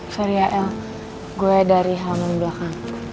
sorry ya el gue dari halaman belakang